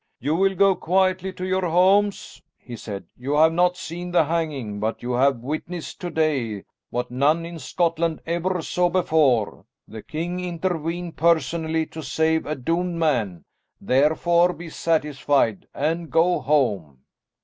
"You will go quietly to your homes," he said. "You have not seen the hanging, but you have witnessed to day what none in Scotland ever saw before, the king intervene personally to save a doomed man; therefore, be satisfied, and go home."